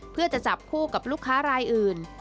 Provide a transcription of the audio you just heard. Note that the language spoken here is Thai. เพื่อจะจับคู่กับลูกค้ารายอื่น